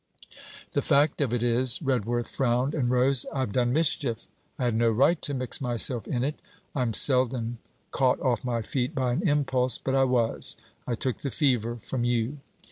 'The fact of it is,' Redworth frowned and rose, 'I've done mischief. I had no right to mix myself in it. I'm seldom caught off my feet by an impulse; but I was. I took the fever from you.'